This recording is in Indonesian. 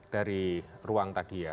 dari ruang tadi ya